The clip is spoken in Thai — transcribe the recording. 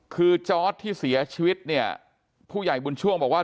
คือจอร์ดที่เสียชีวิตเนี่ยผู้ใหญ่บุญช่วงบอกว่า